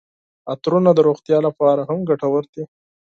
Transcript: عطرونه د روغتیا لپاره هم ګټور دي.